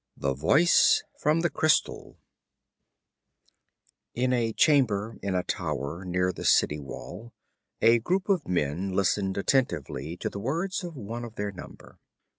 5 The Voice from the Crystal In a chamber in a tower near the city wall a group of men listened attentively to the words of one of their number.